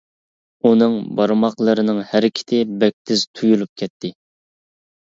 ئۇنىڭ بارماقلىرىنىڭ ھەرىكىتى بەك تېز تۇيۇلۇپ كەتتى.